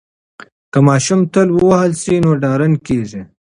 که ماشوم تل ووهل سي نو ډارن کیږي.